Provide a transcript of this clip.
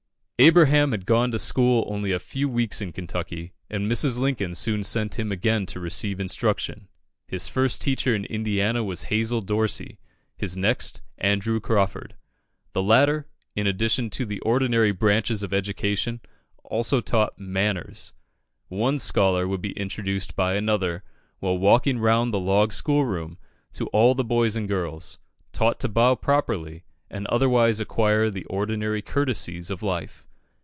Abraham had gone to school only a few weeks in Kentucky, and Mrs. Lincoln soon sent him again to receive instruction. His first teacher in Indiana was Hazel Dorsey; his next, Andrew Crawford. The latter, in addition to the ordinary branches of education, also taught "manners." One scholar would be introduced by another, while walking round the log schoolroom, to all the boys and girls, taught to bow properly, and otherwise acquire the ordinary courtesies of life.